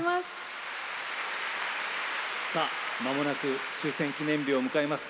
まもなく終戦記念日を迎えます。